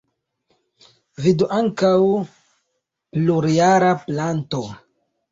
Vidu ankaŭ: plurjara planto.